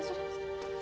ya sudah ya sudah